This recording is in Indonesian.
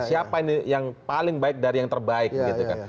siapa ini yang paling baik dari yang terbaik gitu kan